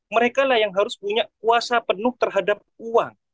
mereka lah yang harus punya kuasa penuh terhadap uang